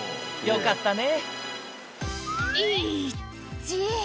よかったね。